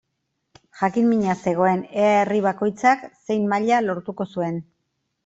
Jakin-mina zegoen ea herri bakoitzak zein maila lortuko zuen.